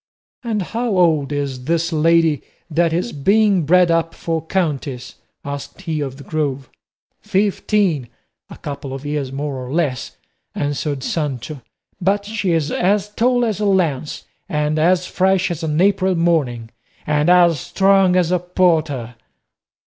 "And how old is this lady that is being bred up for a countess?" asked he of the Grove. "Fifteen, a couple of years more or less," answered Sancho; "but she is as tall as a lance, and as fresh as an April morning, and as strong as a porter."